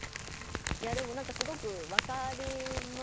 いやでもなんかすごくわかりますね。